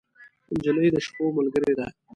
نجلۍ د شپو ملګرې ده.